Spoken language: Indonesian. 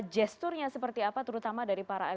gesturnya seperti apa terutama dari para